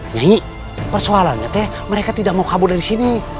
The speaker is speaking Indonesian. nyanyi persoalannya teh mereka tidak mau kabur dari sini